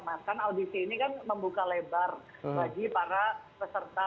maksudnya audisi ini kan membuka lebar bagi para peserta